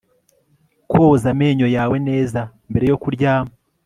Koza amenyo yawe neza mbere yo kuryama